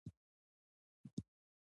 د افغانستان کباب مشهور دی